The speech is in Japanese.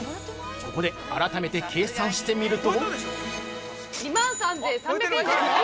ここで、改めて計算してみると◆